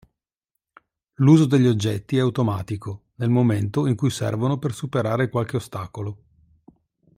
L'uso degli oggetti è automatico, nel momento in cui servono per superare qualche ostacolo.